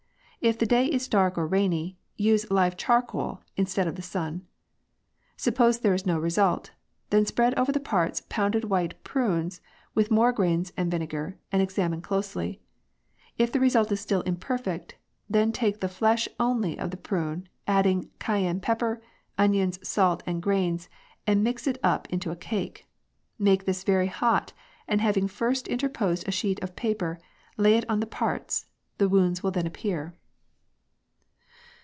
If the day is dark or rainy, use live charcoal [instead of the sun]. Suppose there is no result, then spread over the parts pounded white prunes with more grains and vinegar, and examine closely. If the result is still imperfect, then take the flesh only of the prune, adding cayenne pepper, onions, salt, and grains, and mix it up into a cake. Make this very hot, and having first interposed a sheet of paper, lay it on the parts. The wound will then appear."